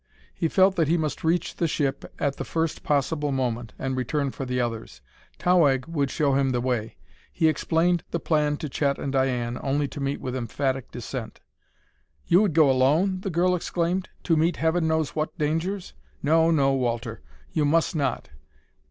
He felt that he must reach the ship at the first possible moment and return for the others; Towahg would show him the way. He explained the plan to Chet and Diane only to meet with emphatic dissent. "You would go alone?" the girl exclaimed. "To meet heaven knows what dangers? No, no, Walter; you must not!